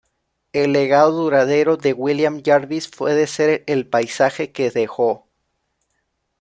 El legado duradero de William Jarvis puede ser el paisaje que dejó.